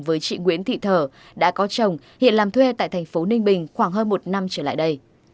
với chị nguyễn thị thở đã có chồng hiện làm thuê tại thành phố ninh bình khoảng hơn một năm trở lại đây